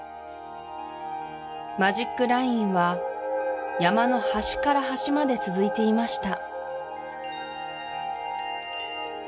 マジックラインは山の端から端まで続いていました